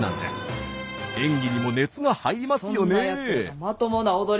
演技にも熱が入りますよね。